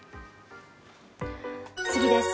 次です。